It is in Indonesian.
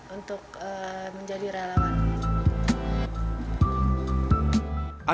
untuk menjadi relawan